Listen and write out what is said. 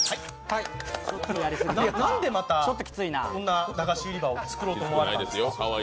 なんでまたこんな駄菓子売り場を作ったんですか？